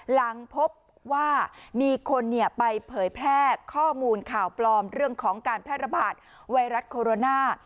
หลังพบว่ามีคนไปเผยแพร่ข้อมูลข่าวปลอมเรื่องของการแพร่ระบาดไวรัสโคโรนา